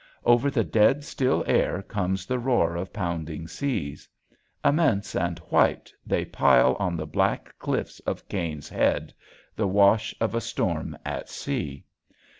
Over the dead, still air comes the roar of pounding seas. Immense and white they pile on the black cliffs of Caine's Head, the wash of a storm at sea.